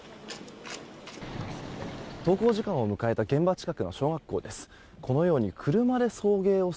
登校時間を迎えた現場近くの小学校です。